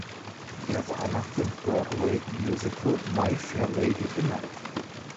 Er war nach dem Broadway-Musical My Fair Lady benannt.